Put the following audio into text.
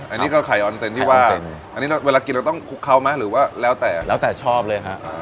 อันนี้ก็ไข่ออนเซนต์ที่ว่าอันนี้เวลากินเราต้องคุกเขาไหมหรือว่าแล้วแต่แล้วแต่ชอบเลยฮะ